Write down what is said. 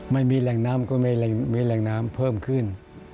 ไม่มีแหล่งน้ำก็ไม่มีแรงน้ำเพิ่มขึ้น